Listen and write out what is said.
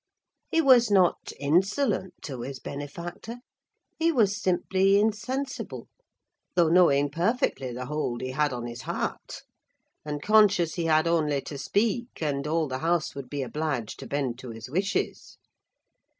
He was not insolent to his benefactor, he was simply insensible; though knowing perfectly the hold he had on his heart, and conscious he had only to speak and all the house would be obliged to bend to his wishes.